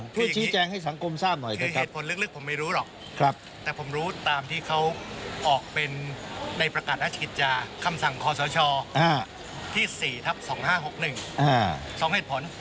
ช่วยชี้แจงให้สังคมทราบหน่อยคือเหตุผลลึกผมไม่รู้หรอกแต่ผมรู้ตามที่เขาออกเป็นในประกาศราชกิจจาคำสั่งคอสชที่๔ทับ๒๕๖๑๒เหตุผล